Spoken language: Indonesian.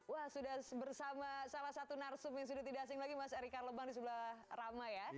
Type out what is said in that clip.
wah sudah bersama salah satu narsum yang sudah tidak asing lagi mas erika lebang di sebelah rama ya